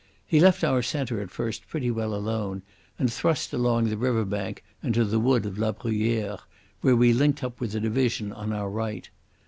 He left our centre at first pretty well alone, and thrust along the river bank and to the wood of La Bruyere, where we linked up with the division on our right.